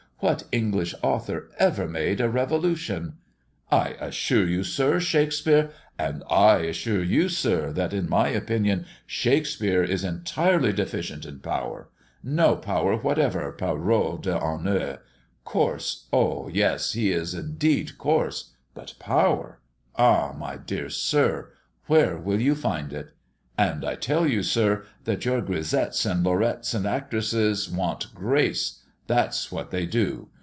What English author ever made a revolution?" "I assure you, sir, Shakespeare " "And I assure you, sir, that, in my opinion, Shakespeare is entirely deficient in power. No power whatever, parole d'honneur! Coarse! Ah yes! he is indeed coarse. But power? Ah, my dear sir, where will you find it?" "And I tell you, sir, that your grisettes and lorettes and actresses want grace, that's what they do.